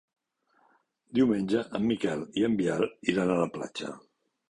Diumenge en Miquel i en Biel iran a la platja.